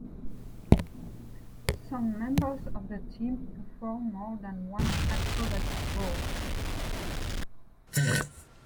Some members of the team perform more than one acrobatic role.